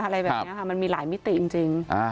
อะไรแบบนี้ค่ะมันมีหลายมิติจริง